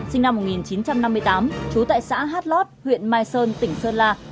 sinh năm một nghìn chín trăm năm mươi tám trú tại xã hát lót huyện mai sơn tỉnh sơn la